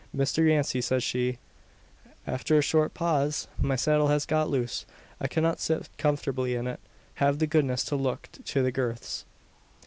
"Mr Yancey," says she, after a short pause, "my saddle has got loose. I cannot sit comfortably in it. Have the goodness to look to the girths!"